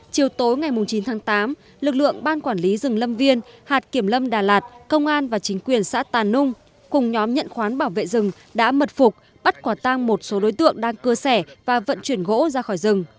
chiều tối ngày chín tháng tám lực lượng ban quản lý rừng lâm viên hạt kiểm lâm đà lạt công an và chính quyền xã tà nung cùng nhóm nhận khoán bảo vệ rừng đã mật phục bắt quả tang một số đối tượng đang cưa sẻ và vận chuyển gỗ ra khỏi rừng